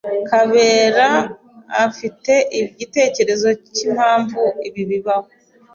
Kabera afite igitekerezo cyimpamvu ibi bibaho.